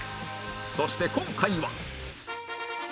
そして今回は